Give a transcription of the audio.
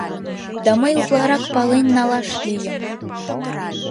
Да мый утларак пален налаш лийым: